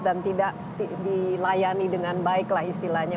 dan tidak dilayani dengan baiklah istilahnya